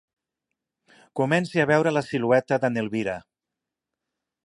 Comenci a veure la silueta de n'Elvira.